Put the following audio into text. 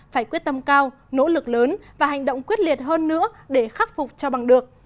phải quyết tâm cao nỗ lực lớn và hành động quyết liệt hơn nữa để khắc phục cho bằng được